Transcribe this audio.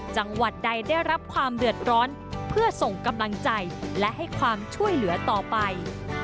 จังหวัดใดได้รับความเดือดร้อนเพื่อส่งกำลังใจและให้ความช่วยเหลือต่อไป